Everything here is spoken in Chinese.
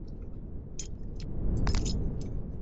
戊戌选试并非真正意义的科举取士。